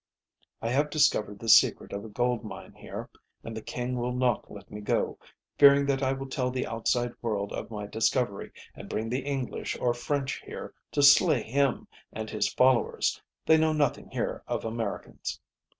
"I have discovered the secret of a gold mine here, and the king will not let me go, fearing that I will tell the outside world of my discovery and bring the English or French here to slay him and his followers. They know nothing here of Americans.